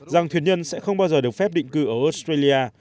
rằng thuyền nhân sẽ không bao giờ được phép định cư ở australia